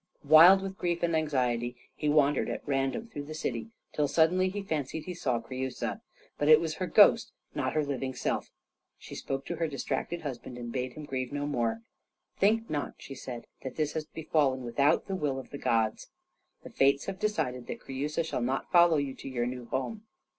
Wild with grief and anxiety he wandered at random through the city till suddenly he fancied he saw Creusa. But it was her ghost, not her living self. She spoke to her distracted husband and bade him grieve no more. "Think not," she said, "that this has befallen without the will of the gods. The Fates have decided that Creusa shall not follow you to your new home.